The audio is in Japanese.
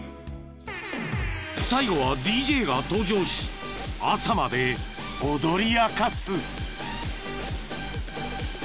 ［最後はＤＪが登場し朝まで踊り明かす］